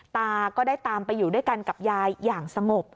ตาก็ได้ตามไปอยู่ด้วยกันกับยายอย่างสงบ